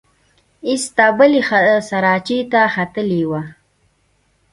ایسته بلې سراچې ته ختلې وه.